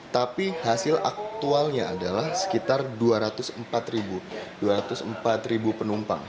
tapi hasil aktualnya adalah sekitar dua ratus empat ribu penumpang